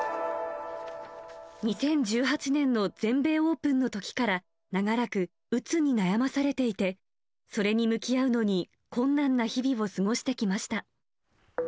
２０１８年の全米オープンのときから、長らくうつに悩まされていて、それに向き合うのに困難な日々を過ごしてきました。